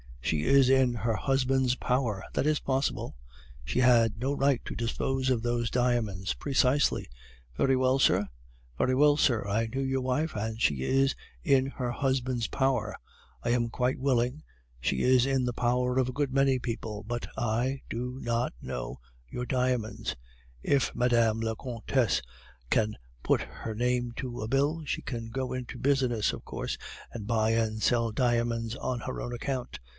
"'She is in her husband's power.' "'That is possible.' "'She had no right to dispose of those diamonds ' "'Precisely.' "'Very well, sir?' "'Very well, sir. I knew your wife, and she is in her husband's power; I am quite willing, she is in the power of a good many people; but I do not know your diamonds. If Mme. la Comtesse can put her name to a bill, she can go into business, of course, and buy and sell diamonds on her own account.